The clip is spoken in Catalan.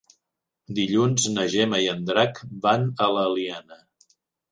Dilluns na Gemma i en Drac van a l'Eliana.